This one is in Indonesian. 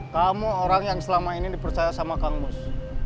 kamu orang yang selama ini dipercaya sama kang mus